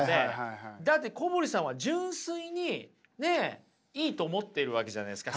だって小堀さんは純粋にねっいいと思ってるわけじゃないですか